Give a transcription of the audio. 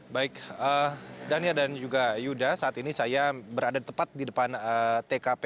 baik dania dan juga yuda saat ini saya berada tepat di depan tkp